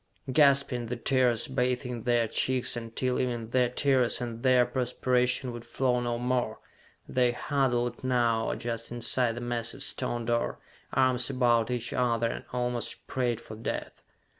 Gasping, the tears bathing their cheeks until even their tears and their perspiration would flow no more, they huddled now just inside the massive stone door, arms about each other, and almost prayed for death.